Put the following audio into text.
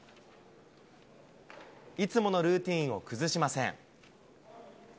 いつものルーティンを崩しません。